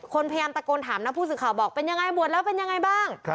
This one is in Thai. คนพยายามตะโกนถามนะผู้สื่อข่าวบอกเป็นยังไงบวชแล้วเป็นยังไงบ้าง